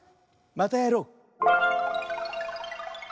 またやろう！